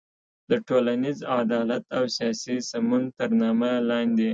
د ټولنیز عدالت او سیاسي سمون تر نامه لاندې